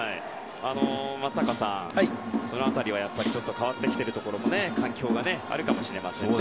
松坂さん、その辺りは変わってきているところ環境があるかもしれませんね。